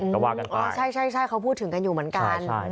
ก็ว่ากันไปใช่เขาพูดถึงกันอยู่เหมือนกัน